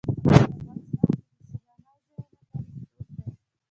په افغانستان کې د سیلانی ځایونه تاریخ اوږد دی.